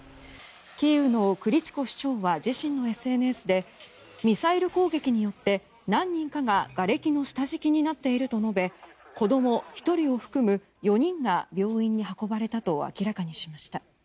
キーウのクリチコ市長は自身のＳＮＳでミサイル攻撃によって何人かががれきの下敷きになっていると述べ子ども１人を含む４人が病院に運ばれたと明らかにしました。